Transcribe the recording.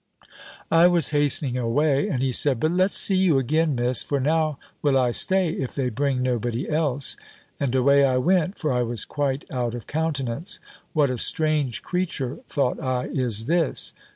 I was hastening away, and he said, "But let's see you again, Miss; for now will I stay, if they bring nobody else." And away I went; for I was quite out of countenance, "What a strange creature," thought I, "is this!"